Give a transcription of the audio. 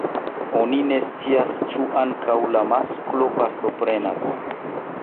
Oni ne scias ĉu ankaŭ la masklo partoprenas.